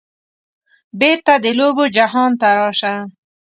بیرته د لوبو جهان ته راشه